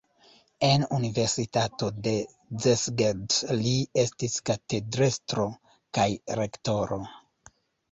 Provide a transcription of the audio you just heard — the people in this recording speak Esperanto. En universitato de Szeged li estis katedrestro kaj rektoro.